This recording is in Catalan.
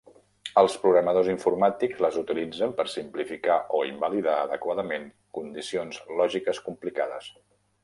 Els programadors informàtics les utilitzen per simplificar o invalidar adequadament condicions lògiques complicades.